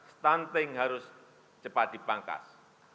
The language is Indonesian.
stunting harus cepat dipangkas